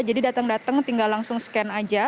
jadi datang datang tinggal langsung scan aja